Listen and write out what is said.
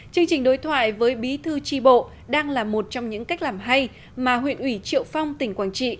chương trình đối thoại với bí thư tri bộ đang là một trong những cách làm hay mà huyện ủy triệu phong tỉnh quảng trị